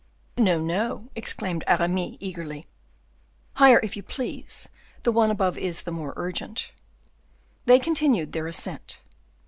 "No, no," exclaimed Aramis, eagerly, "higher, if you please; the one above is the more urgent." They continued their ascent.